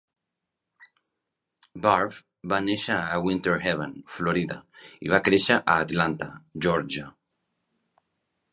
Barbe va néixer a Winter Haven, Florida, i va créixer a Atlanta, Georgia.